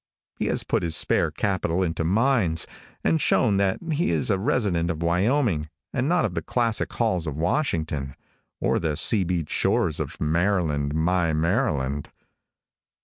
He has put his spare capital into mines, and shown that he is a resident of Wyoming, and not of the classic halls of Washington, or the sea beat shores of "Maryland, my Maryland."